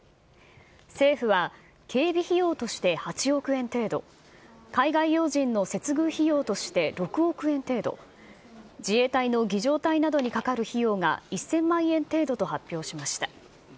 政府は警備費用として８億円程度、海外要人の接遇費用として６億円程度、自衛隊の儀じょう隊などにかかる費用が１０００万円程度と発表しました。